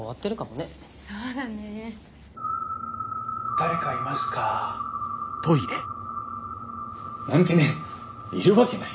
誰かいますか？なんてねいるわけない。